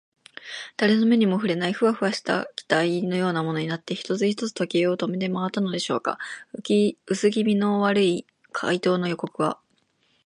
だれの目にもふれない、フワフワした気体のようなものになって、一つ一つ時計を止めてまわったのでしょうか。うすきみの悪い怪盗の予告は、